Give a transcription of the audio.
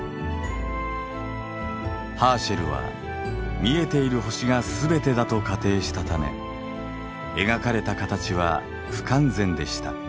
ハーシェルは見えている星が全てだと仮定したため描かれた形は不完全でした。